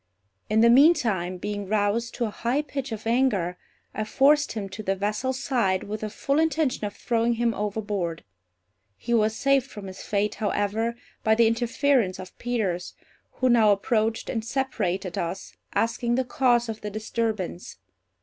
In the meantime, being roused to a high pitch of anger, I forced him to the vessel's side, with the full intention of throwing him overboard. He was saved from his fate, however, by the interference of Peters, who now approached and separated us, asking the cause of the disturbance.